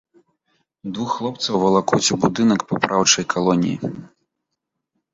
Двух хлопцаў валакуць у будынак папраўчай калоніі.